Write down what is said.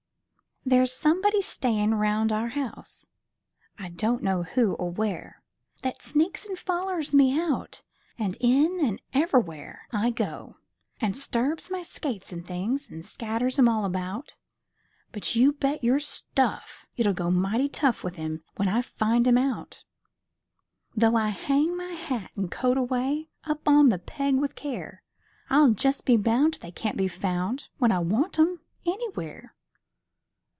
There's somebody stayin' aroun' our house I don't know who or where That sneaks about an' follers me out An' in an' ever'where I go; an' 'sturbs my skates an' things, An' scatters 'em all about; But you bet your stuff it'll go mighty tough With 'im when I find 'im out! Though I hang my hat an' coat away, Up on the peg with care, I'll just be bound they can't be found When I want 'em, anywhere.